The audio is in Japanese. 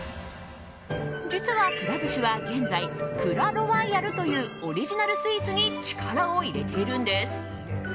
実は、くら寿司は現在ＫＵＲＡＲＯＹＡＬというオリジナルスイーツに力を入れているんです。